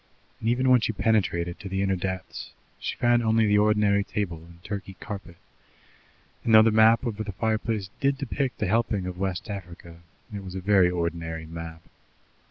And even when she penetrated to the inner depths, she found only the ordinary table and Turkey carpet, and though the map over the fireplace did depict a helping of West Africa, it was a very ordinary map.